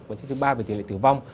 và xếp thứ ba về tỷ lệ tử vong